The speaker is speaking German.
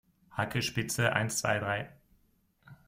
Hacke, Spitze, eins, zwei, drei!